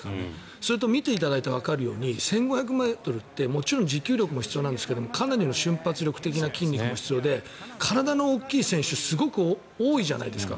それと見ていただいたらわかるように１５００ｍってもちろん持久力も必要なんですけどかなりの瞬発力的な筋肉も必要で体の大きい選手がすごく多いじゃないですか。